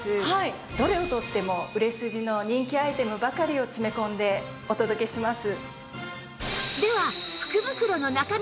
どれを取っても売れ筋の人気アイテムばかりを詰め込んでお届けします。